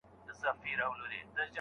پلار زوی ته څه ورکړل؟